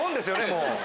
もう。